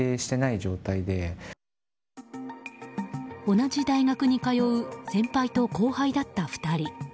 同じ大学に通う先輩と後輩だった２人。